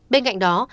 bên cạnh đó